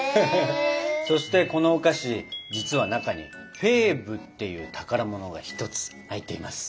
そしてこのお菓子実は中に「フェーブ」っていう宝物が一つ入っています。